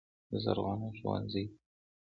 زرغونه ښوونځي ته ځي.